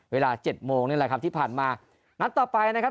เวลาเจ็ดโมงนี่แหละครับที่ผ่านมานัดต่อไปนะครับ